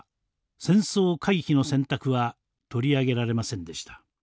戦争回避の選択は取り上げられませんでした。